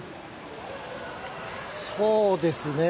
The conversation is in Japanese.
そうですね。